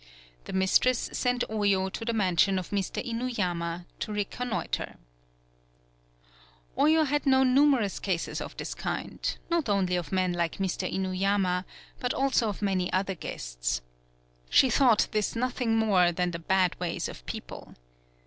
The mistress sent Oyo to the mansion of Mr. Inuyama to recon noiter. 96 THE BILL COLLECTING Oyo had known numerous cases of this kind, not only of men like Mr. Inu yama, but also of many other guesfs. She thought this nothing more than the bad ways of people.